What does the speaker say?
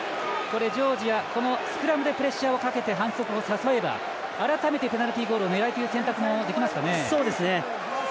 ジョージア、スクラムでプレッシャーかけて反則を誘えば改めてペナルティゴールを狙うという選択もできますかね。